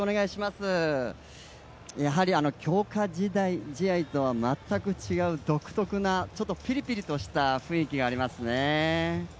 やはり強化試合とは全く違う独特なちょっとぴりぴりとした雰囲気がありますね。